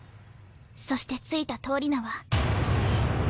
そして付いた通り名は。